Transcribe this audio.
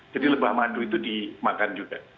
jadi lebah mandu itu dimakan juga